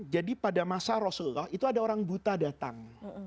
pada masa rasulullah itu ada orang buta datang